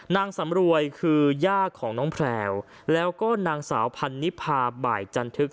นางสำรวยคือย่าของน้องแพลวแล้วก็นางสาวพันนิพาบ่ายจันทึก